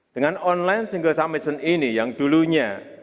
dengan online single summission ini yang dulunya